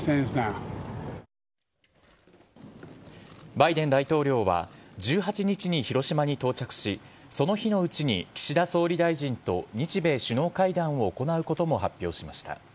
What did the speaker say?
バイデン大統領は１８日に広島に到着し、その日のうちに、岸田総理大臣と日米首脳会談を行うことも発表しました。